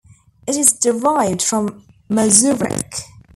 It is derived from mazurek.